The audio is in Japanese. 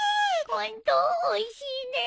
ホントおいしいねえ。